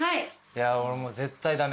俺もう絶対駄目。